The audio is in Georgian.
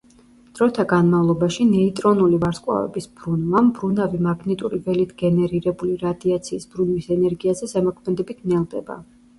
დროთა განმავლობაში ნეიტრონული ვარსკვლავების ბრუნვა, მბრუნავი მაგნიტური ველით გენერირებული რადიაციის ბრუნვის ენერგიაზე ზემოქმედებით ნელდება.